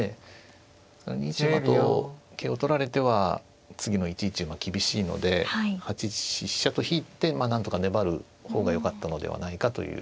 ２一馬と桂を取られては次の１一馬厳しいので８一飛車と引いてなんとか粘る方がよかったのではないかということでした。